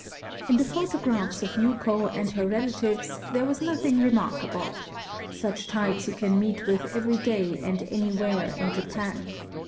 In the photographs of Yuko and her relatives there was nothing remarkable : such types you can meet with every day and any where in Japan.